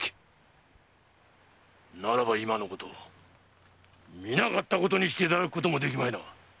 ならば今のこと見なかったことにしていただくこともできまいな。